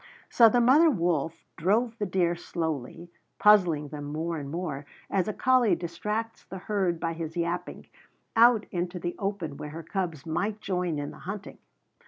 So the mother wolf drove the deer slowly, puzzling them more and more, as a collie distracts the herd by his yapping, out into the open where her cubs might join in the hunting.